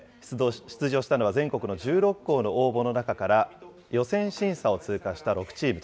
出場したのは全国の１６校の応募の中から、予選審査を通過した６チーム。